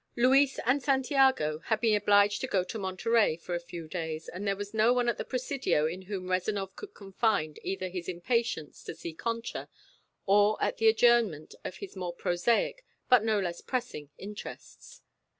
Luis and Santiago had been obliged to go to Monterey for a few days, and there was no one at the Presidio in whom Rezanov could confide either his impatience to see Concha or at the adjournment of his more prosaic but no less pressing interests.